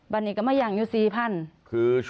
บันนี้กันไม่ยังอยู่๔พันธุ์